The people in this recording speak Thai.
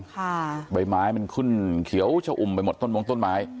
ค่ะใบไม้มันขึ้นเขียวชะอุ่มไปหมดต้นมงต้นไม้